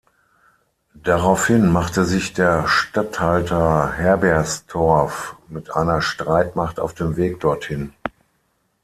Darauf hin machte sich der Statthalter Herberstorff mit einer Streitmacht auf den Weg dorthin.